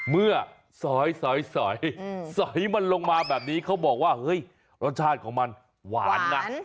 สอยสอยมันลงมาแบบนี้เขาบอกว่าเฮ้ยรสชาติของมันหวานนะ